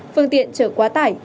phương tiện trở quá tải